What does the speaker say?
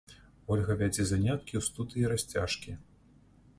Вольга вядзе заняткі ў студыі расцяжкі.